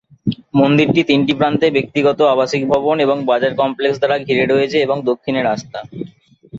মন্দিরটি তিনটি প্রান্তে ব্যক্তিগত আবাসিক ভবন এবং বাজার কমপ্লেক্স দ্বারা ঘিরে রয়েছে এবং দক্ষিণে রাস্তা।